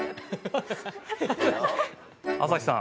朝日さん